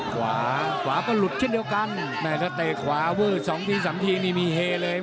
ขวาก็หลุดเช่นเดียวกันแม่ท่าเตะขวาวืด๒ที๓ทีมีเฮเลย